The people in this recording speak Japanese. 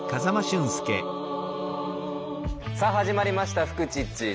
さあ始まりました「フクチッチ」。